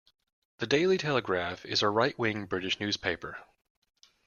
The Daily Telegraph is a right-wing British newspaper.